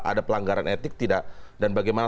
ada pelanggaran etik tidak dan bagaimana